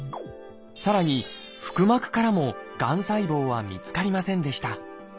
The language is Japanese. さらに腹膜からもがん細胞は見つかりませんでした。